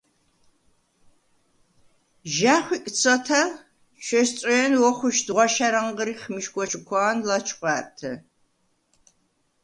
ჟ’ა̈ხვიკდ სათა̈ლ, ჩვესწო̄̈ნ, ვოხვიშდ ღვაშა̈რ ანღრიხ მიშგვა ჩუქვა̄ნ ლაჩხვა̄̈რთე.